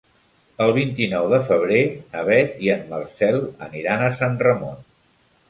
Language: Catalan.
El vint-i-nou de febrer na Beth i en Marcel aniran a Sant Ramon.